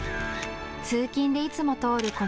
通勤でいつも通る